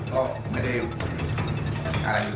อันดับสุดท้ายแก่มือ